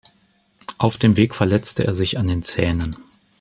Auf dem Weg verletzte er sich an den Zähnen.